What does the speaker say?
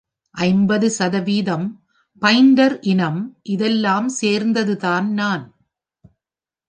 ஐம்பது சதவிகிதம் பாயின்டர் இனம் – இதெல்லாம் சேர்ந்தது தான் நான்!